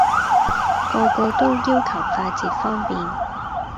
個個都要求快捷方便